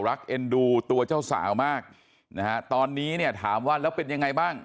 เอ็นดูตัวเจ้าสาวมากนะฮะตอนนี้เนี่ยถามว่าแล้วเป็นยังไงบ้าง